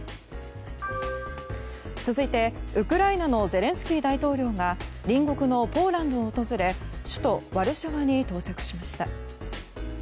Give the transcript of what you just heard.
続いて、ウクライナのゼレンスキー大統領が隣国のポーランドを訪れ首都ワルシャワに到着しました。